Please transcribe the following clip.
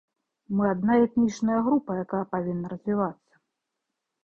Мы адна этнічная група, якая павінна развівацца.